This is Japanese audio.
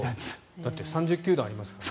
３０球団ありますから。